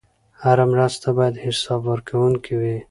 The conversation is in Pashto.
هره مرسته باید حسابورکونکې وي.